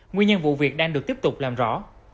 nguyên nhân vụ việc đang được tiếp tục làm rõ